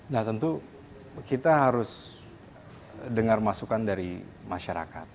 nah tentu kita harus dengar masukan dari masyarakat